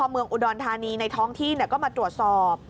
เมืองอุดรธานีในท้องที่ก็มาตรวจสอบ